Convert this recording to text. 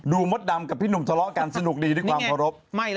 ดูมดดำกับพี่หนุ่มสละกันสนุกดีที่ความทรงรบ